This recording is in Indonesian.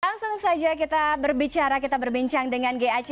langsung saja kita berbicara kita berbincang dengan gac